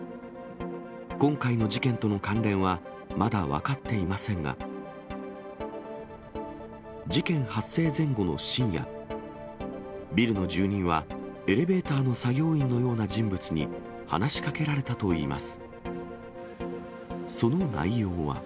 今回の事件との関連は、まだ分かっていませんが、事件発生前後の深夜、ビルの住人は、エレベーターの作業員のような人物に話しかけられたといいます。